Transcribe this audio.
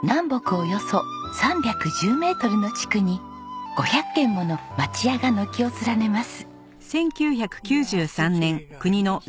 およそ３１０メートルの地区に５００軒もの町家が軒を連ねます。